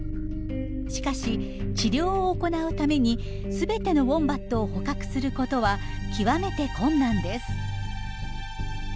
しかし治療を行うために全てのウォンバットを捕獲することは極めて困難です。